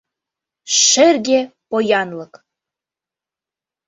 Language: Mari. ШЕРГЕ ПОЯНЛЫК